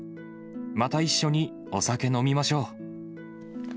また一緒にお酒飲みましょう。